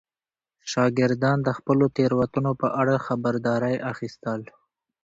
شاګردان د خپلو تېروتنو په اړه خبرداری اخیستل.